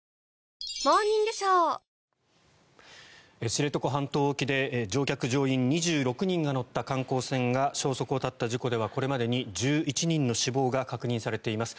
知床半島沖で乗客・乗員２６人が乗った観光船が消息を絶った事故ではこれまでに１１人の死亡が確認されています。